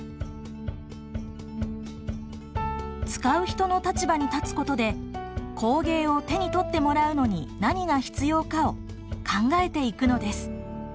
使う人の立場に立つことで工芸を手に取ってもらうのに何が必要かを考えていくのです。